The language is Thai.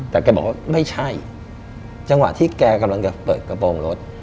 แต่แกบอกว่าไม่ใช่จังหวะที่แกกำลังจะเปิดกระโปรงรถ